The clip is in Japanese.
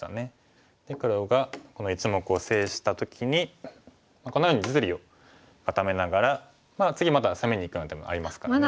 黒がこの１目を制した時にこんなふうに実利を固めながら次まだ攻めにいくような手もありますからね。